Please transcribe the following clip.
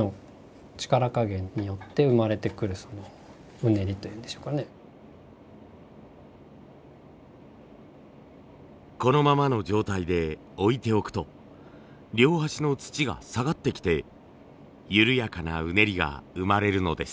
こうしてるうちにこのままの状態で置いておくと両端の土が下がってきて緩やかなうねりが生まれるのです。